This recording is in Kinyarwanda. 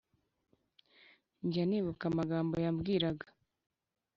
njya nibuka amagambo yambwiraga